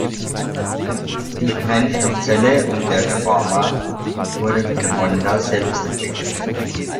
Die Brennstoffzelle und der Reformer wurden von Honda selbst entwickelt.